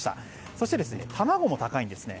そして、卵も高いんですね。